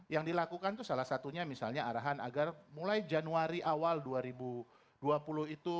yang dilakukan itu salah satunya misalnya arahan agar mulai januari awal dua ribu dua puluh itu